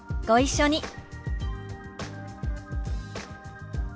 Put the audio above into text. ご一緒に。